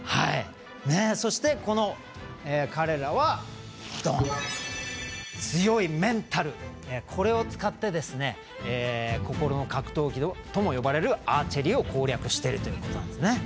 そして、彼らは強いメンタルこれを使って心の格闘技とも呼ばれるアーチェリーを攻略しているということなんですね。